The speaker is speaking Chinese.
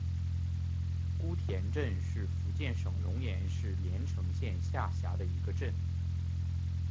姑田镇是福建省龙岩市连城县下辖的一个镇。